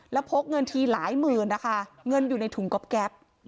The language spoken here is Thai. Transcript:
แล้วพกเงินทีหลายหมื่นนะคะเงินอยู่ในถุงก๊อบแก๊ป